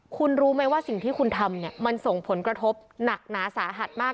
คุณรู้ไหมว่าสิ่งที่คุณทำเนี่ยมันส่งผลกระทบหนักหนาสาหัสมาก